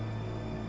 aku ingin menangkapmu